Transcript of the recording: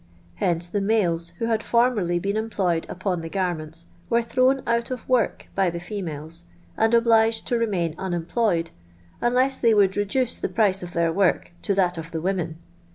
Hence the males who had former^ been employed upon the garments were thrown oat of work by the females, and obliged to remain unemployed, unless they would reduce the price of tlieir work to that of the women.